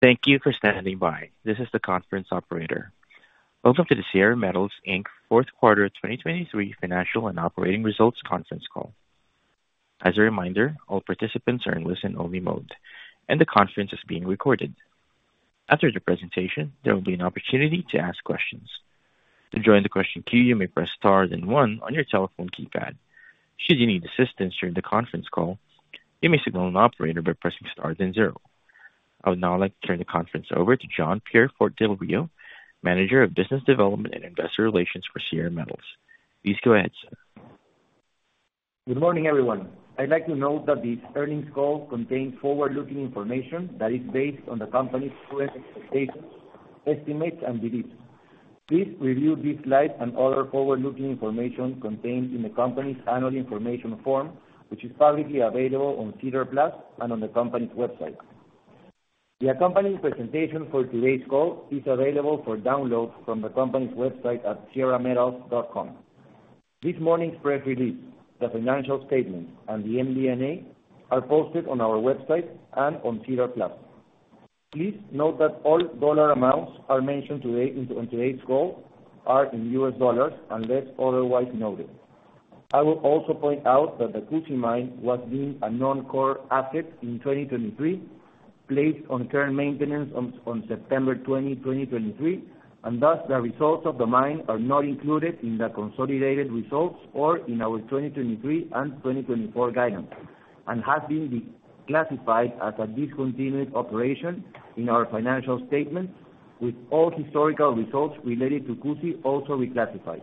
Thank you for standing by. This is the conference operator. Welcome to the Sierra Metals Inc. 4th Quarter 2023 Financial and Operating Results Conference Call. As a reminder, all participants are in listen-only mode, and the conference is being recorded. After the presentation, there will be an opportunity to ask questions. To join the question queue, you may press star one on your telephone keypad. Should you need assistance during the conference call, you may signal an operator by pressing star zero. I would now like to turn the conference over to Jean-Pierre Fort del Rio, Manager of Business Development and Investor Relations for Sierra Metals. Please go ahead, sir. Good morning, everyone. I'd like to note that this earnings call contains forward-looking information that is based on the company's current expectations, estimates, and beliefs. Please review these slides and other forward-looking information contained in the company's annual information form, which is publicly available on SEDAR+ and on the company's website. The accompanying presentation for today's call is available for download from the company's website at sierrametals.com. This morning's press release, the financial statements, and the MD&A are posted on our website and on SEDAR+. Please note that all dollar amounts mentioned today in today's call are in US dollars unless otherwise noted. I will also point out that the Cusi mine was deemed a non-core asset in 2023, placed on care and maintenance on September 20, 2023, and thus the results of the mine are not included in the consolidated results or in our 2023 and 2024 guidance, and has been reclassified as a discontinued operation in our financial statements, with all historical results related to Cusi also reclassified.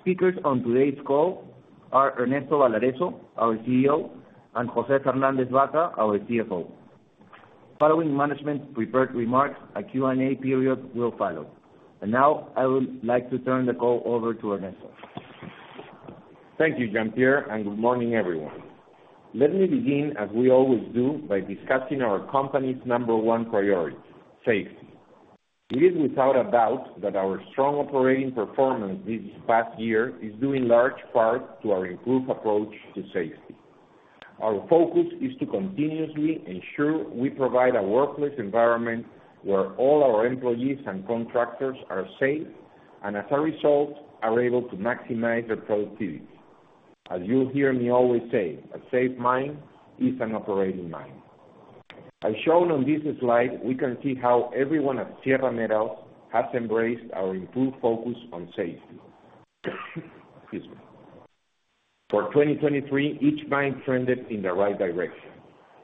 Speakers on today's call are Ernesto Balarezo, our CEO, and José Fernández-Baca, our CFO. Following management's prepared remarks, a Q&A period will follow. Now I would like to turn the call over to Ernesto. Thank you, Jean-Pierre, and good morning, everyone. Let me begin, as we always do, by discussing our company's number one priority: safety. It is without a doubt that our strong operating performance this past year is due in large part to our improved approach to safety. Our focus is to continuously ensure we provide a workplace environment where all our employees and contractors are safe and, as a result, are able to maximize their productivity. As you'll hear me always say, a safe mine is an operating mine. As shown on this slide, we can see how everyone at Sierra Metals has embraced our improved focus on safety. Excuse me. For 2023, each mine trended in the right direction.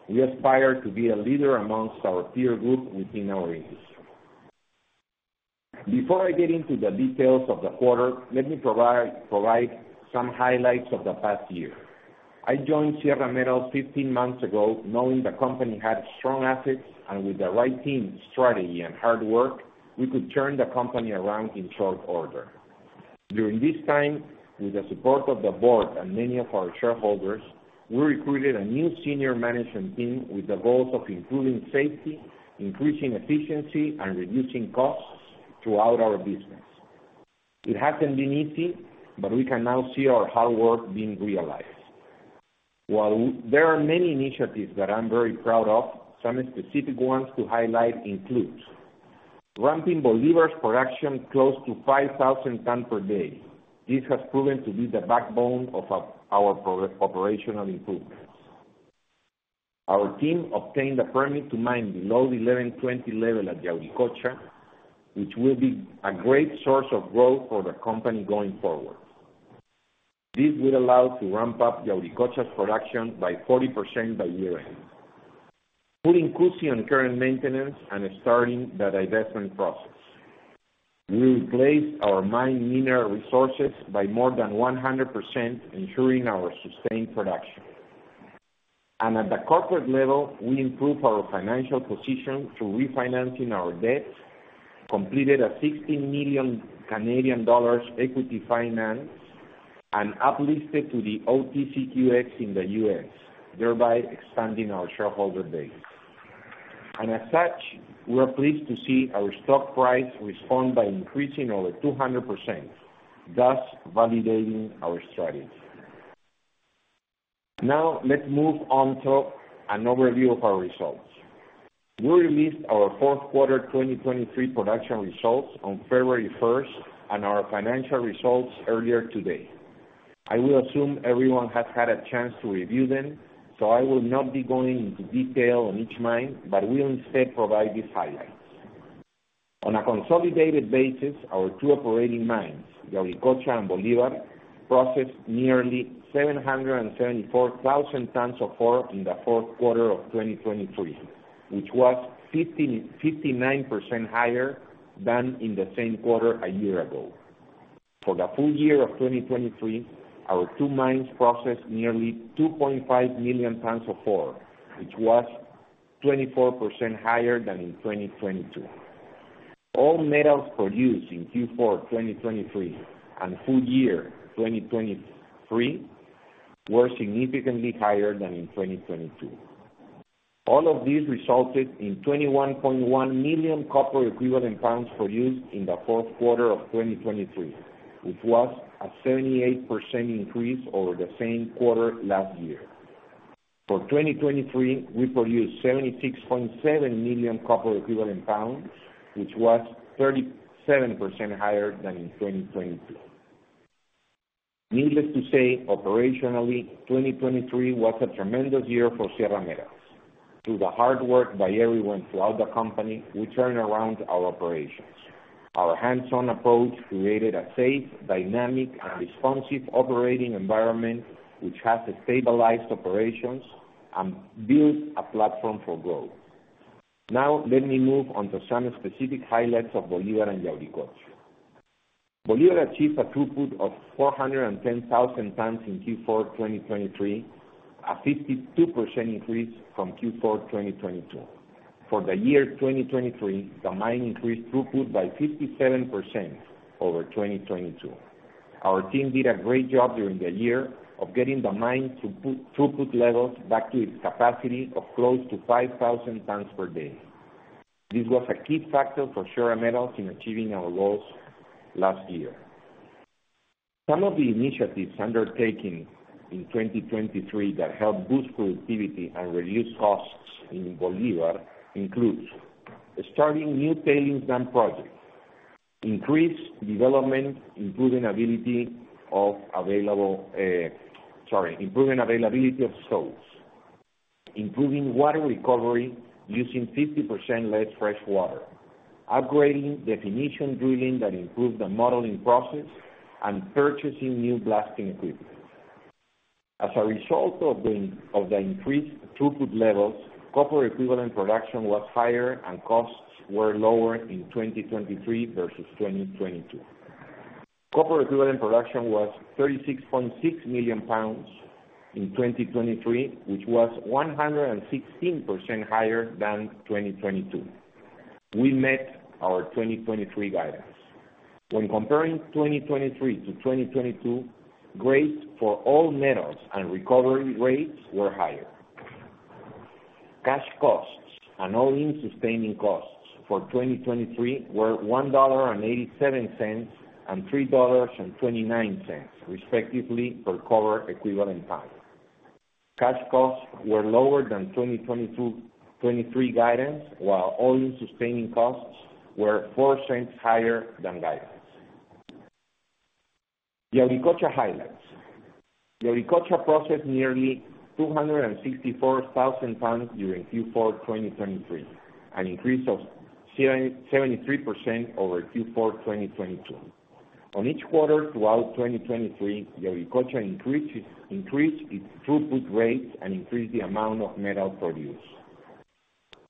We aspire to be a leader amongst our peer group within our industry. Before I get into the details of the quarter, let me provide some highlights of the past year. I joined Sierra Metals 15 months ago knowing the company had strong assets, and with the right team, strategy, and hard work, we could turn the company around in short order. During this time, with the support of the board and many of our shareholders, we recruited a new senior management team with the goals of improving safety, increasing efficiency, and reducing costs throughout our business. It hasn't been easy, but we can now see our hard work being realized. While there are many initiatives that I'm very proud of, some specific ones to highlight include ramping Bolívar's production close to 5,000 tons per day. This has proven to be the backbone of our operational improvements. Our team obtained a permit to mine below the 1120 level at Yauricocha, which will be a great source of growth for the company going forward. This would allow us to ramp up Yauricocha's production by 40% by year-end, putting Cusi on care and maintenance and starting the divestment process. We replaced our mined mineral resources by more than 100%, ensuring our sustained production. At the corporate level, we improved our financial position through refinancing our debt, completed a $16 million equity financing, and uplisted to the OTCQX in the U.S., thereby expanding our shareholder base. As such, we are pleased to see our stock price respond by increasing over 200%, thus validating our strategy. Now let's move on to an overview of our results. We released our 4th quarter 2023 production results on February 1st and our financial results earlier today. I will assume everyone has had a chance to review them, so I will not be going into detail on each mine, but will instead provide these highlights. On a consolidated basis, our two operating mines, Yauricocha and Bolívar, processed nearly 774,000 tons of ore in the 4th quarter of 2023, which was 59% higher than in the same quarter a year ago. For the full year of 2023, our two mines processed nearly 2.5 million tons of ore, which was 24% higher than in 2022. All metals produced in Q4 2023 and full year 2023 were significantly higher than in 2022. All of this resulted in 21.1 million copper equivalent pounds produced in the 4th quarter of 2023, which was a 78% increase over the same quarter last year. For 2023, we produced 76.7 million copper equivalent pounds, which was 37% higher than in 2022. Needless to say, operationally, 2023 was a tremendous year for Sierra Metals. Through the hard work by everyone throughout the company, we turned around our operations. Our hands-on approach created a safe, dynamic, and responsive operating environment, which has stabilized operations and built a platform for growth. Now let me move on to some specific highlights of Bolívar and Yauricocha. Bolívar achieved a throughput of 410,000 tons in Q4 2023, a 52% increase from Q4 2022. For the year 2023, the mine increased throughput by 57% over 2022. Our team did a great job during the year of getting the mine throughput levels back to its capacity of close to 5,000 tons per day. This was a key factor for Sierra Metals in achieving our goals last year. Some of the initiatives undertaken in 2023 that helped boost productivity and reduce costs in Bolívar include starting new tailings dam projects, increased development improving availability of stopes, improving water recovery using 50% less fresh water, upgrading definition drilling that improved the modeling process, and purchasing new blasting equipment. As a result of the increased throughput levels, copper equivalent production was higher and costs were lower in 2023 versus 2022. Copper equivalent production was 36.6 million pounds in 2023, which was 116% higher than 2022. We met our 2023 guidance. When comparing 2023 to 2022, rates for all metals and recovery rates were higher. Cash costs and all-in sustaining costs for 2023 were $1.87 and $3.29, respectively, per copper equivalent pound. Cash costs were lower than 2023 guidance, while all-in sustaining costs were $0.04 higher than guidance. Yauricocha highlights: Yauricocha processed nearly 264,000 tons during Q4 2023, an increase of 73% over Q4 2022. On each quarter throughout 2023, Yauricocha increased its throughput rates and increased the amount of metal produced.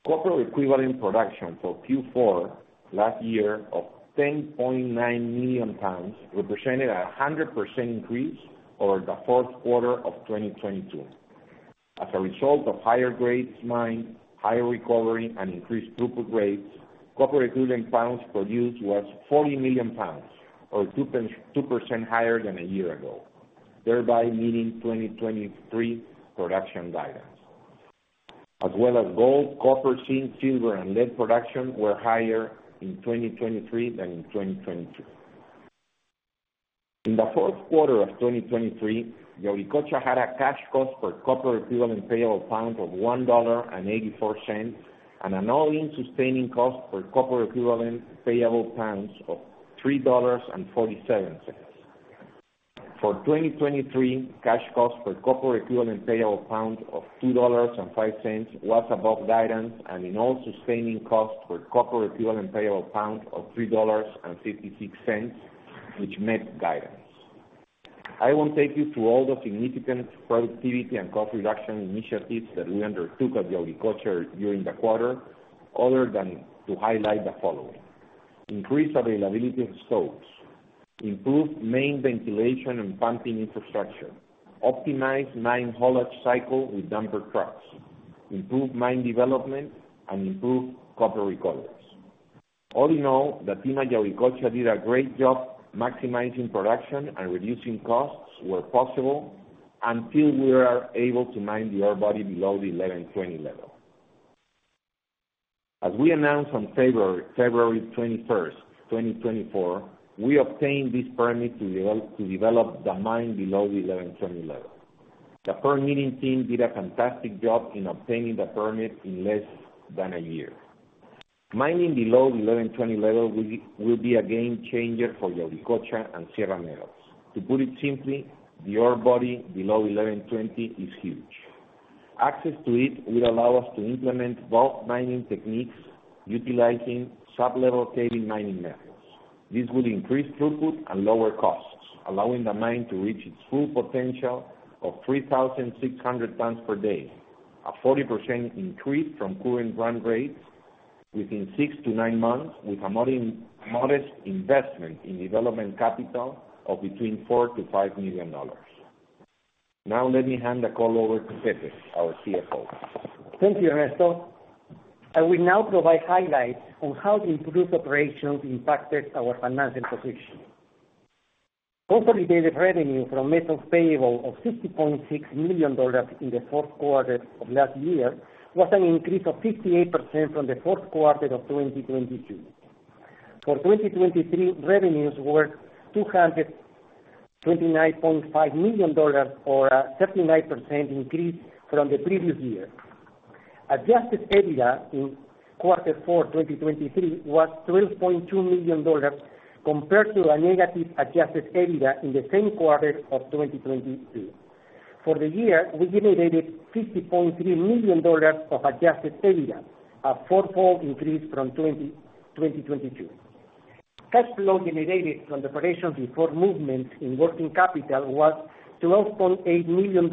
Copper equivalent production for Q4 last year of 10.9 million pounds represented a 100% increase over the 4th quarter of 2022. As a result of higher grades mined, higher recovery, and increased throughput rates, copper equivalent pounds produced was 40 million pounds, or 2% higher than a year ago, thereby meeting 2023 production guidance, as well as gold, copper, zinc, silver, and lead production were higher in 2023 than in 2022. In the 4th quarter of 2023, Yauricocha had a cash cost per copper equivalent payable pound of $1.84 and an all-in sustaining cost per copper equivalent payable pounds of $3.47. For 2023, cash cost per copper equivalent payable pound of $2.05 was above guidance, and all-in sustaining costs per copper equivalent payable pound were $3.56, which met guidance. I won't take you through all the significant productivity and cost reduction initiatives that we undertook at Yauricocha during the quarter, other than to highlight the following: increased availability of stopes, improved main ventilation and pumping infrastructure, optimized mine haulage cycle with dumper trucks, improved mine development, and improved copper recovery. All in all, the team at Yauricocha did a great job maximizing production and reducing costs where possible until we were able to mine the ore body below the 1120 level. As we announced on February 21st, 2024, we obtained this permit to develop the mine below the 1120 level. The permitting team did a fantastic job in obtaining the permit in less than a year. Mining below the 1120 Level will be a game changer for Yauricocha and Sierra Metals. To put it simply, the ore body below 1120 is huge. Access to it would allow us to implement bulk mining techniques utilizing sub-level caving mining methods. This will increase throughput and lower costs, allowing the mine to reach its full potential of 3,600 tons per day, a 40% increase from current run rates within six to nine months, with a modest investment in development capital of between $4-$5 million. Now let me hand the call over to José, our CFO. Thank you, Ernesto. I will now provide highlights on how improved operations impacted our financial position. Consolidated revenue from metals payable of $60.6 million in the 4th quarter of last year was an increase of 58% from the 4th quarter of 2022. For 2023, revenues were $229.5 million, or a 79% increase from the previous year. Adjusted EBITDA in quarter 4 2023 was $12.2 million compared to a negative adjusted EBITDA in the same quarter of 2022. For the year, we generated $50.3 million of adjusted EBITDA, a fourfold increase from 2022. Cash flow generated from the operations before movements in working capital was $12.8 million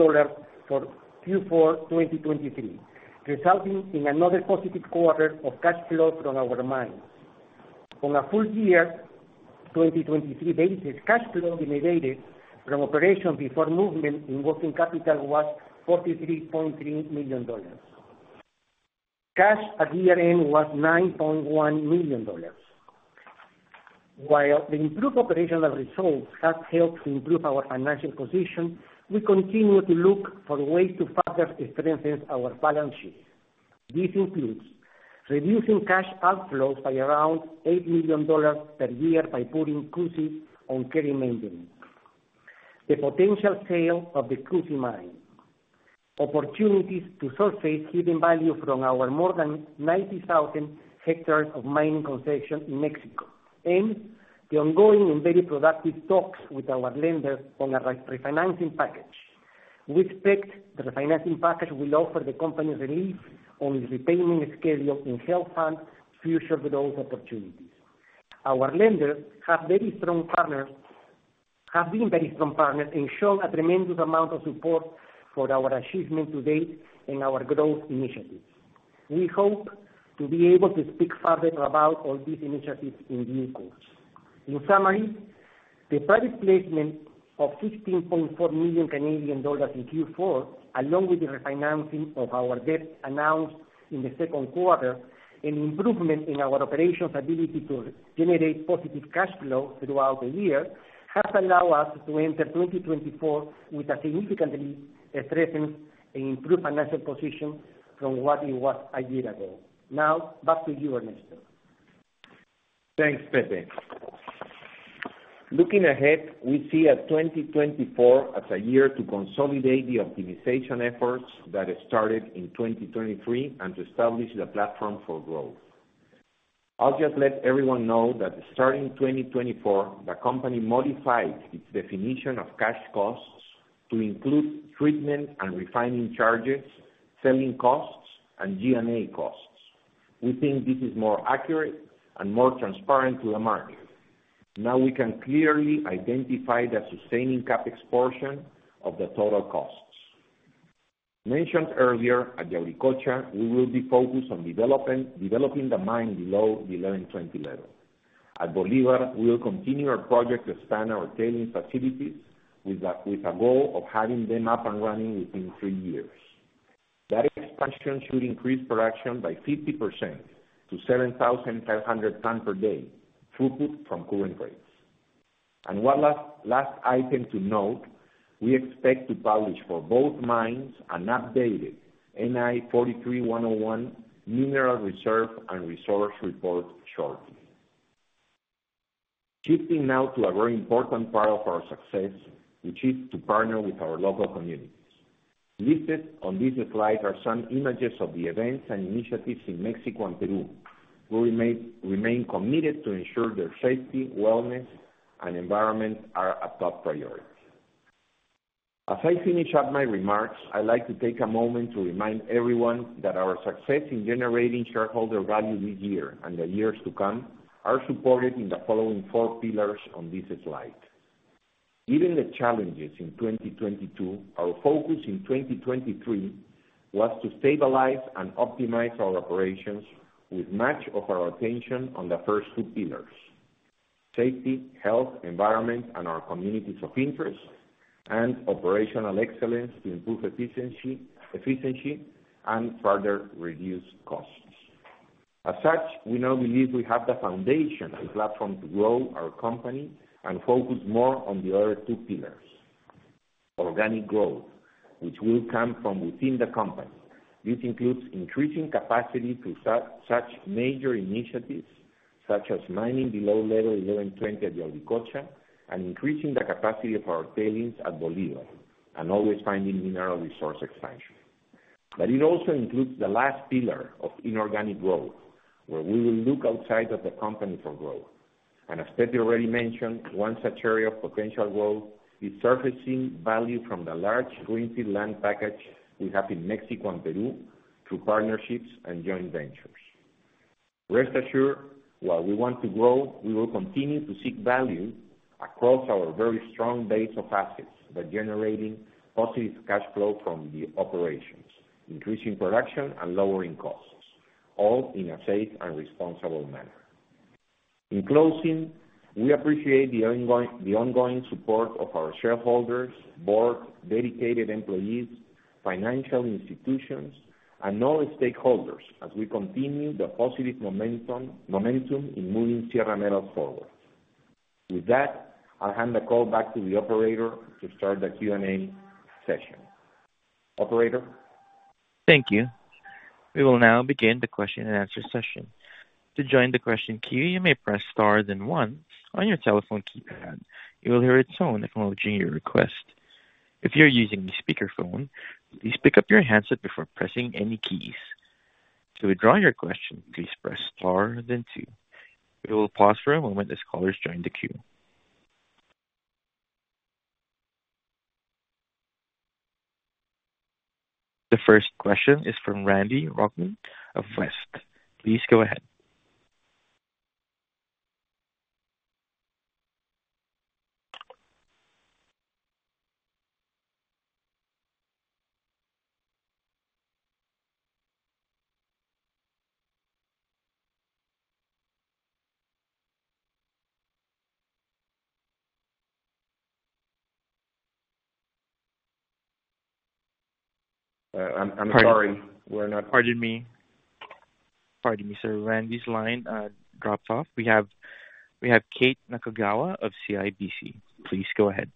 for Q4 2023, resulting in another positive quarter of cash flow from our mine. On a full year 2023 basis, cash flow generated from operations before movement in working capital was $43.3 million. Cash at year-end was $9.1 million. While the improved operational results have helped to improve our financial position, we continue to look for ways to further strengthen our balance sheet. This includes reducing cash outflows by around $8 million per year by putting Cusi on care and maintenance, the potential sale of the Cusi mine, opportunities to surface hidden value from our more than 90,000 hectares of mining concession in Mexico, and the ongoing and very productive talks with our lender on a refinancing package. We expect the refinancing package will offer the company relief on its repayment schedule and help fund future growth opportunities. Our lenders have been very strong partners and shown a tremendous amount of support for our achievement to date in our growth initiatives. We hope to be able to speak further about all these initiatives in due course. In summary, the private placement of 15.4 million Canadian dollars in Q4, along with the refinancing of our debt announced in the second quarter and improvement in our operations ability to generate positive cash flow throughout the year, has allowed us to enter 2024 with a significantly strengthened and improved financial position from what it was a year ago. Now back to you, Ernesto. Thanks, Pepe. Looking ahead, we see 2024 as a year to consolidate the optimization efforts that started in 2023 and to establish the platform for growth. I'll just let everyone know that starting 2024, the company modified its definition of cash costs to include treatment and refining charges, selling costs, and G&A costs. We think this is more accurate and more transparent to the market. Now we can clearly identify the sustaining capex portion of the total costs. Mentioned earlier, at Yauricocha, we will be focused on developing the mine below the 1120 Level. At Bolívar, we will continue our project to expand our tailings facilities with a goal of having them up and running within three years. That expansion should increase production by 50% to 7,500 tons per day, throughput from current rates. One last item to note, we expect to publish for both mines an updated NI 43-101 Mineral Reserve and Resource Report shortly. Shifting now to a very important part of our success, which is to partner with our local communities. Listed on this slide are some images of the events and initiatives in Mexico and Peru, where we remain committed to ensure their safety, wellness, and environment are a top priority. As I finish up my remarks, I'd like to take a moment to remind everyone that our success in generating shareholder value this year and the years to come are supported in the following four pillars on this slide. Given the challenges in 2022, our focus in 2023 was to stabilize and optimize our operations with much of our attention on the first two pillars: safety, health, environment, and our communities of interest, and operational excellence to improve efficiency and further reduce costs. As such, we now believe we have the foundation and platform to grow our company and focus more on the other two pillars: organic growth, which will come from within the company. This includes increasing capacity through such major initiatives such as mining below level 1120 at Yauricocha and increasing the capacity of our tailings at Bolívar and always finding mineral resource expansion. But it also includes the last pillar of inorganic growth, where we will look outside of the company for growth. As Pepe already mentioned, one such area of potential growth is surfacing value from the large greenfield land package we have in Mexico and Peru through partnerships and joint ventures. Rest assured, while we want to grow, we will continue to seek value across our very strong base of assets by generating positive cash flow from the operations, increasing production, and lowering costs, all in a safe and responsible manner. In closing, we appreciate the ongoing support of our shareholders, board, dedicated employees, financial institutions, and all stakeholders as we continue the positive momentum in moving Sierra Metals forward. With that, I'll hand the call back to the operator to start the Q&A session. Operator? Thank you. We will now begin the question and answer session. To join the question queue, you may press star then one on your telephone keypad. You will hear a tone acknowledging your request. If you're using a speakerphone, please pick up your handset before pressing any keys. To withdraw your question, please press star then two. We will pause for a moment as callers join the queue. The first question is from Randy Rochman of West. Please go ahead. I'm sorry. We're not. Pardon me. Pardon me, sir. Randy's line dropped off. We have Kate Nakagawa of CIBC. Please go ahead.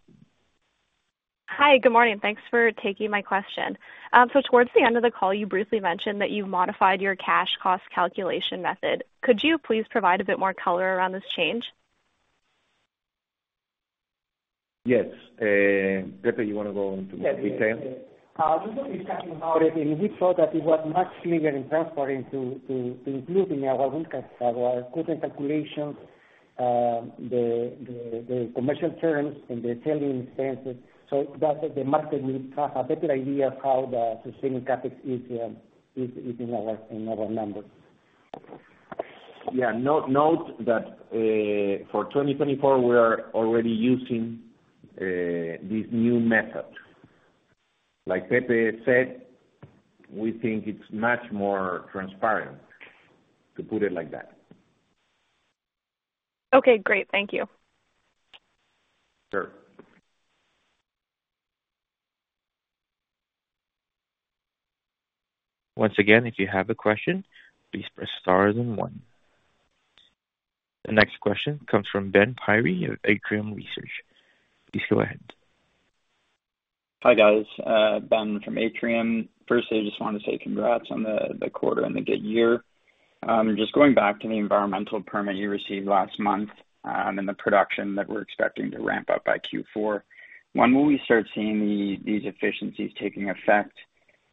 Hi. Good morning. Thanks for taking my question. So towards the end of the call, you briefly mentioned that you've modified your cash cost calculation method. Could you please provide a bit more color around this change? Yes. Pepe, you want to go into more detail? Yes. I was only talking about it, and we thought that it was much smoother and transparent to include in our working calculations, the commercial terms, and the selling expenses. So the market will have a better idea of how the sustaining CapEx in our numbers. Yeah. Note that for 2024, we are already using this new method. Like Pepe said, we think it's much more transparent, to put it like that. Okay. Great. Thank you. Sure. Once again, if you have a question, please press star then one. The next question comes from Ben Pirie of Atrium Research. Please go ahead. Hi, guys. Ben from Atrium. First, I just want to say congrats on the quarter and the good year. Just going back to the environmental permit you received last month and the production that we're expecting to ramp up by Q4, when will we start seeing these efficiencies taking effect?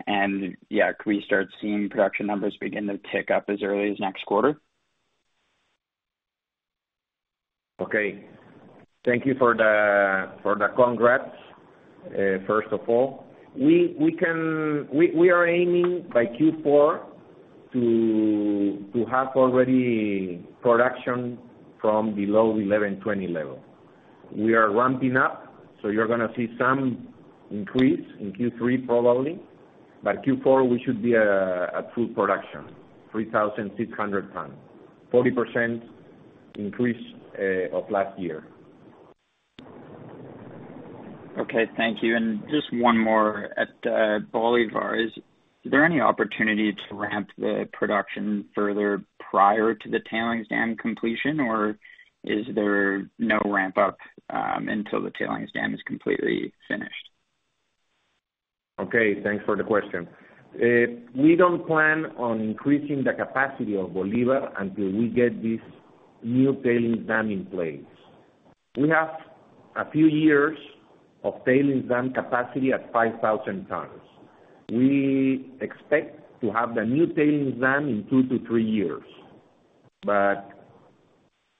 And yeah, can we start seeing production numbers begin to tick up as early as next quarter? Okay. Thank you for the congrats, first of all. We are aiming by Q4 to have already production from below 1120 Level. We are ramping up, so you're going to see some increase in Q3 probably. By Q4, we should be at full production, 3,600 tons, 40% increase of last year. Okay. Thank you. Just one more at Bolívar, is there any opportunity to ramp the production further prior to the tailings dam completion, or is there no ramp-up until the tailings dam is completely finished? Okay. Thanks for the question. We don't plan on increasing the capacity of Bolívar until we get this new tailings dam in place. We have a few years of tailings dam capacity at 5,000 tons. We expect to have the new tailings dam in 2-3 years, but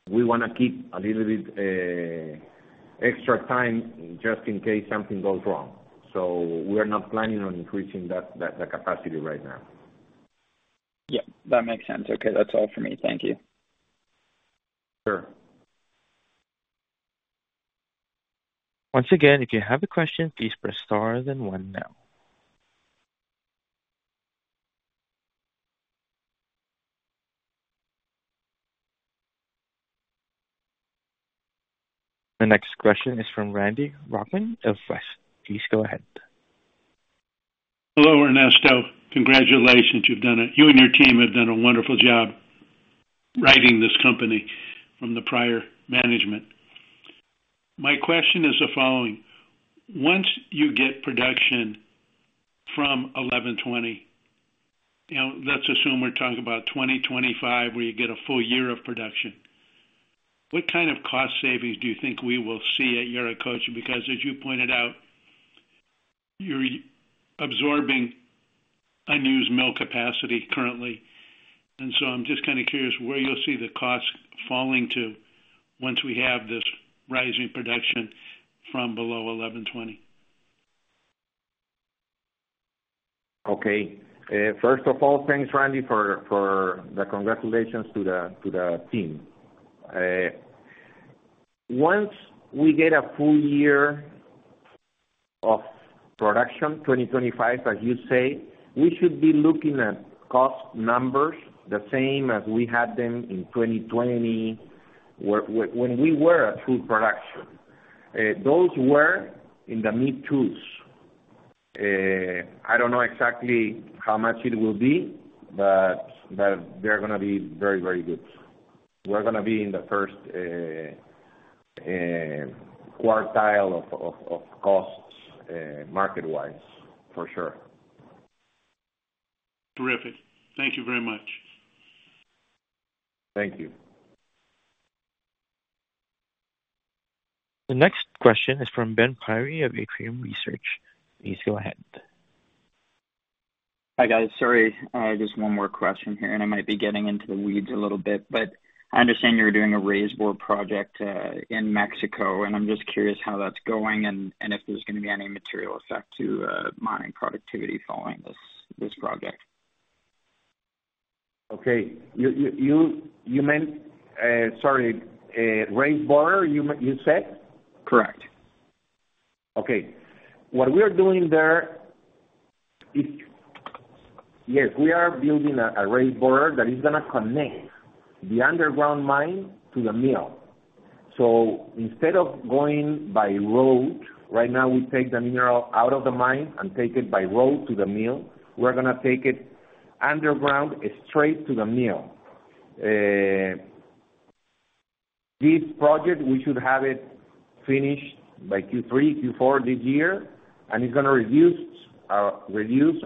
we want to keep a little bit extra time just in case something goes wrong. So we are not planning on increasing the capacity right now. Yep. That makes sense. Okay. That's all for me. Thank you. Sure. Once again, if you have a question, please press star then one now. The next question is from Randy Rochman of West. Please go ahead. Hello, Ernesto. Congratulations. You and your team have done a wonderful job righting this company from the prior management. My question is the following: once you get production from 1120, let's assume we're talking about 2025 where you get a full year of production, what kind of cost savings do you think we will see at Yauricocha? Because as you pointed out, you're absorbing unused mill capacity currently. And so I'm just kind of curious where you'll see the costs falling to once we have this rising production from below 1120. Okay. First of all, thanks, Randy, for the congratulations to the team. Once we get a full year of production, 2025, as you say, we should be looking at cost numbers the same as we had them in 2020 when we were at full production. Those were in the mid-2s. I don't know exactly how much it will be, but they're going to be very, very good. We're going to be in the first quartile of costs market-wise, for sure. Terrific. Thank you very much. Thank you. The next question is from Ben Pirie of Atrium Research. Please go ahead. Hi, guys. Sorry. Just one more question here, and I might be getting into the weeds a little bit. But I understand you're doing a raise bore project in Mexico, and I'm just curious how that's going and if there's going to be any material effect to mining productivity following this project. Okay. You meant raise bore, you said? Correct. Okay. What we are doing there is yes, we are building a raise bore that is going to connect the underground mine to the mill. So instead of going by road right now, we take the mineral out of the mine and take it by road to the mill. We're going to take it underground straight to the mill. This project, we should have it finished by Q3, Q4 this year, and it's going to reduce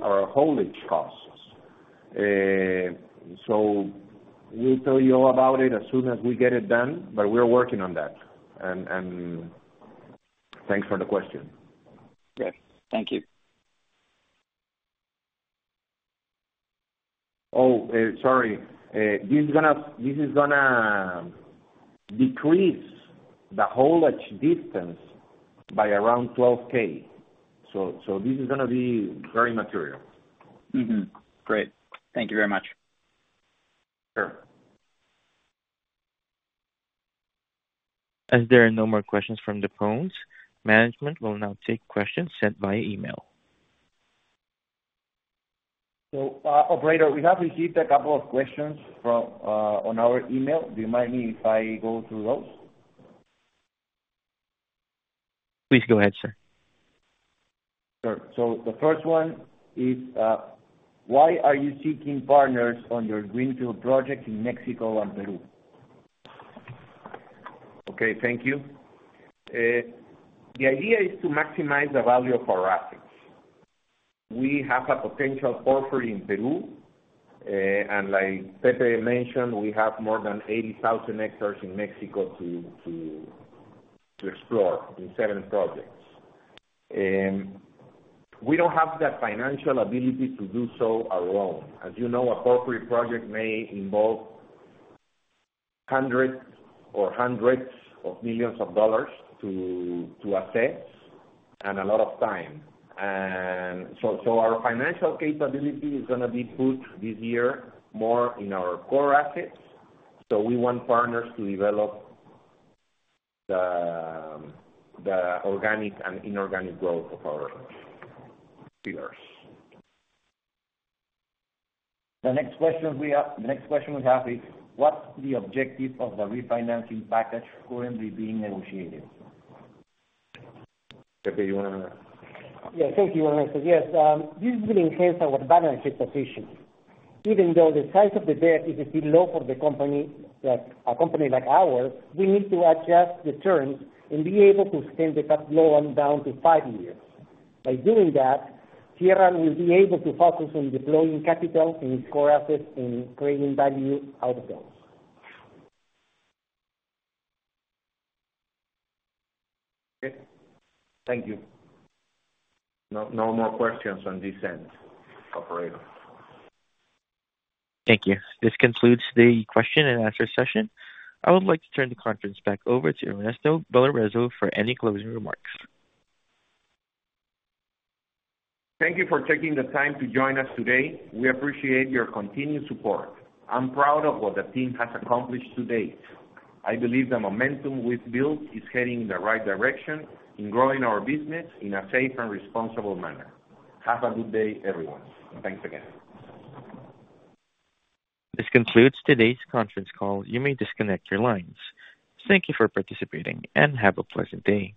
our haulage costs. So we'll tell you all about it as soon as we get it done, but we're working on that. And thanks for the question. Yes. Thank you. Oh, sorry. This is going to decrease the haulage distance by around 12,000. So this is going to be very immaterial. Great. Thank you very much. Sure. As there are no more questions from the phones, management will now take questions sent via email. Operator, we have received a couple of questions on our email. Do you mind if I go through those? Please go ahead, sir. Sure. So the first one is, why are you seeking partners on your greenfield project in Mexico and Peru? Okay. Thank you. The idea is to maximize the value of our assets. We have a potential porphyry in Peru, and like Pepe mentioned, we have more than 80,000 hectares in Mexico to explore in seven projects. We don't have the financial ability to do so alone. As you know, a porphyry project may involve hundreds or hundreds of $ millions to assess and a lot of time. So our financial capability is going to be put this year more in our core assets. So we want partners to develop the organic and inorganic growth of our pillars. The next question we have is, what's the objective of the refinancing package currently being negotiated? Pepe, you want to? Yeah. Thank you, Ernesto. Yes. This is going to enhance our balance sheet position. Even though the size of the debt is still low for a company like ours, we need to adjust the terms and be able to extend the paydown to five years. By doing that, Sierra will be able to focus on deploying capital in its core assets and creating value out of those. Okay. Thank you. No more questions on this end, operator. Thank you. This concludes the question and answer session. I would like to turn the conference back over to Ernesto Balarezo for any closing remarks. Thank you for taking the time to join us today. We appreciate your continued support. I'm proud of what the team has accomplished to date. I believe the momentum we've built is heading in the right direction in growing our business in a safe and responsible manner. Have a good day, everyone. Thanks again. This concludes today's conference call. You may disconnect your lines. Thank you for participating, and have a pleasant day.